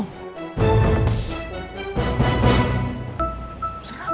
gue jawab apa dong